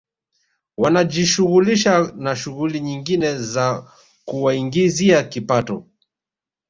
Wanajishughulisha na shughuli nyingine za kuwaingizia kipato